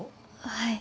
はい。